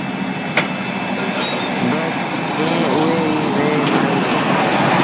بآڪيٚݩ اُئي ريٚ وهي مآئيٚ رهيٚ